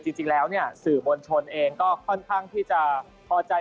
จริงแล้วสื่อมวลชนเองก็ค่อนข้างที่จะพอใจ